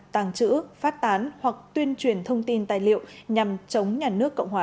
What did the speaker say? tàng trữ phát tán hoặc tuyên truyền thông tin tài liệu nhằm chống nhà nước cộng hòa